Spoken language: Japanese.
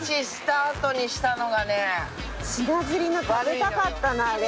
食べたかったなあれ。